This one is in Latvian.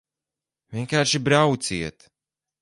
Vienkārši brauciet!